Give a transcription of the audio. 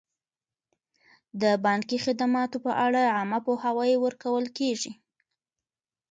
د بانکي خدماتو په اړه عامه پوهاوی ورکول کیږي.